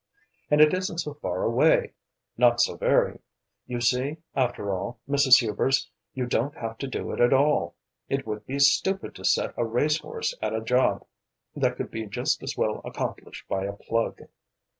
And it isn't so far away, not so very. You see, after all, Mrs. Hubers, you don't have to do it all. It would be stupid to set a race horse at a job that could be just as well accomplished by a plug.